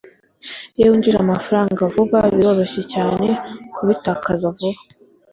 iyo winjije amafaranga vuba, biroroshye cyane kubitakaza vuba